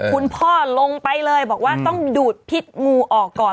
คุณพ่อลงไปเลยบอกว่าต้องดูดพิษงูออกก่อน